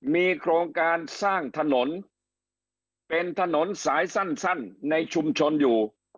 มีโครงการสร้างถนนเป็นถนนสายสั้นในชุมชนอยู่